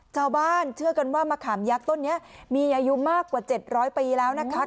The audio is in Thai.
ชาวบ้านเชื่อกันว่ามะขามยักษ์ต้นนี้มีอายุมากกว่า๗๐๐ปีแล้วนะคะ